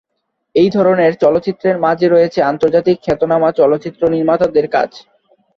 এই ধরনের চলচ্চিত্রের মাঝে রয়েছে আন্তর্জাতিক খ্যাতনামা চলচ্চিত্র নির্মাতাদের কাজ।